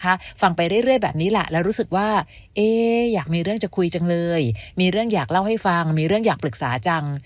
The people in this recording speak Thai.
ฟังไปเรื่อยแบบนี้แหละแล้วรู้สึกว่าเอ๊อยากมีเรื่องจะคุยจังเลยมีเรื่องอยากเล่าให้ฟังมีเรื่องอยากปรึกษาจัง